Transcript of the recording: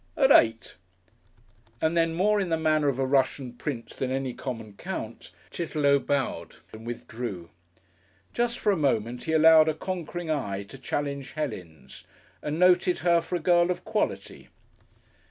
"At eight." And then, and more in the manner of a Russian prince than any common count, Chitterlow bowed and withdrew. Just for a moment he allowed a conquering eye to challenge Helen's and noted her for a girl of quality....